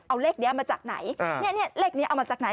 เอาเลขเนี้ยมาจากไหนเนี้ยเนี้ยเล็กเนี้ยเอามาจากไหน